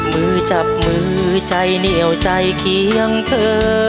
มือจับมือใจเหนียวใจเคียงเธอ